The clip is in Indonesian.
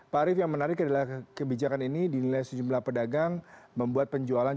pak arief yang menarik adalah kebijakan ini dinilai sejumlah pedagang membuat penjualan